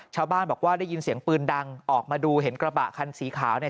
ชาวบ้านบอกว่าได้ยินเสียงปืนดังออกมาดูเห็นกระบะคันสีขาวเนี่ย